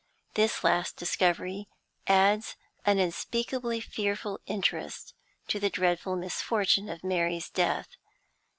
This last discovery adds an unspeakably fearful interest to the dreadful misfortune of Mary's death.